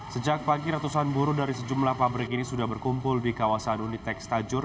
sejak pagi ratusan buruh dari sejumlah pabrik ini sudah berkumpul di kawasan unit tekstajur